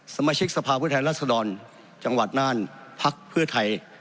สมาชิกสภาพฤทธัยรัฐศดรจังหวัดนานพรรคพฤทธัย